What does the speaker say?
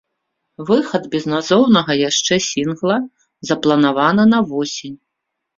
Выхад безназоўнага яшчэ сінгла запланаваны на восень.